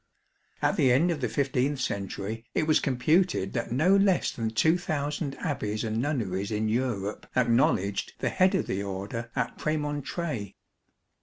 At the end of the 15th century it was computed that no less than 2,000 Abbeys and Nunneries in Europe acknowledged the head of the Order at Premontre".